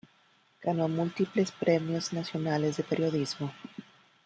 Ganó múltiples premios nacionales de periodismo.